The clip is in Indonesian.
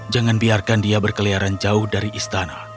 jangan biarkan dia berkeliaran jauh dari istana